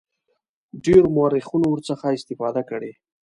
ډیرو مورخینو ورڅخه استفاده کړې.